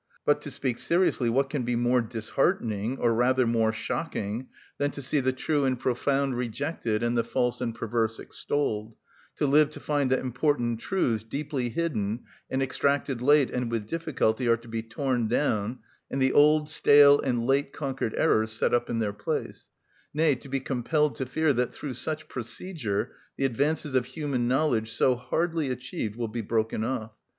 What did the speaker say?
But, to speak seriously, what can be more disheartening, or rather more shocking, than to see the true and profound rejected and the false and perverse extolled; to live to find that important truths, deeply hidden, and extracted late and with difficulty, are to be torn down, and the old, stale, and late conquered errors set up in their place; nay, to be compelled to fear that through such procedure the advances of human knowledge, so hardly achieved, will be broken off!